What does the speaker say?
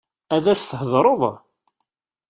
Ad as-theḍṛeḍ?